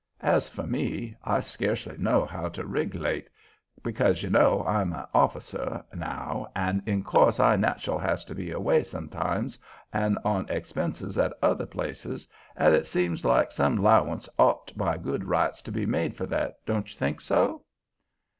As for me, I sca'cely know how to rig'late, because, you know, I'm a' officer now, an' in course I natchel has to be away sometimes an' on expenses at 'tother places, an' it seem like some 'lowance ought by good rights to be made for that; don't you think so?"